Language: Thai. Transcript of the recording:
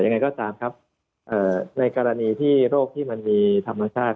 ยังไงก็ตามครับในกรณีที่โรคที่มันมีธรรมชาติ